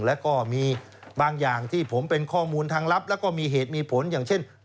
แล้วก็มีบางอย่างที่ผมเป็นข้อมูลทางลับแล้วก็มีเหตุมีผลอย่างเช่น